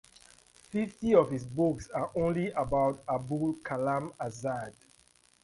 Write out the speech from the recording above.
Fifty of his books are only about Abul Kalam Azad.